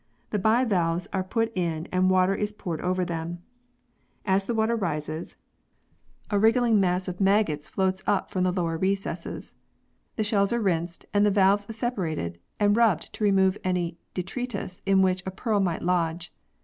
The bivalves are put in and water is poured over them. As the water rises, a D. 6 82 PEARLS [CH. wriggling mass of maggots floats up from the lower recesses. The shells are rinsed, and the valves separated and rubbed to remove any detritus in which a pearl might lodge.